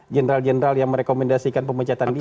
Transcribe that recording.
general general yang merekomendasikan pemecatan dia